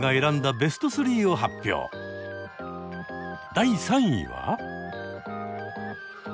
第３位は？